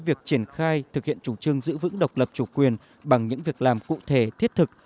việc triển khai thực hiện chủ trương giữ vững độc lập chủ quyền bằng những việc làm cụ thể thiết thực